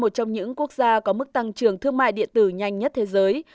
trong những quốc gia có mức tăng trưởng thương mại điện tử nhanh nhất thế giới